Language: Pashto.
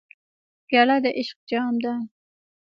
پیاله د عشق جام ده.